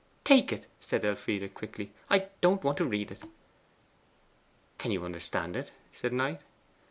'Take it,' said Elfride quickly. 'I don't want to read it.' 'Could you understand it?' said Knight.